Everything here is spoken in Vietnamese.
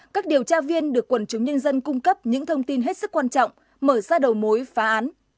các điều tra viên được quần chúng nhân dân cung cấp những thông tin hết sức quan trọng mở ra đầu mối phá án